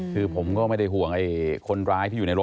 คือผมก็ไม่ได้ห่วงคนร้ายที่อยู่ในรถ